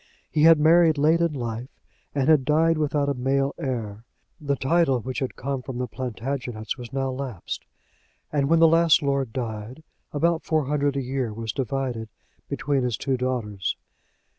He had married late in life, and had died without a male heir. The title which had come from the Plantagenets was now lapsed; and when the last lord died, about four hundred a year was divided between his two daughters.